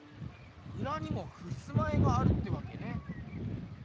うらにもふすま絵があるってわけね？